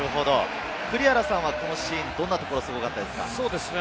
栗原さんは、このシーン、どんなところがすごかったですか？